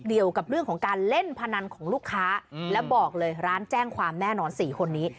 กับเรื่องของการเล่นพนันของลูกค้าแล้วบอกเลยร้านแจ้งความแน่นอน๔คนนี้